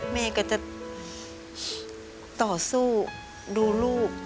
แม่ก็จะต่อสู้ดูลูก